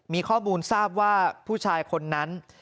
มีข้อมูลทราบว่าผู้ชายคนนั้น